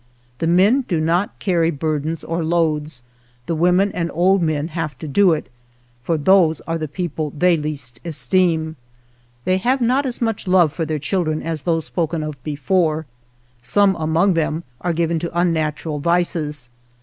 The men do not carry burdens or loads, the women and old men have to do it, for those are the people they least esteem. They have not as much love for their children as those spoken of before. Some among them are given to unnatural vices.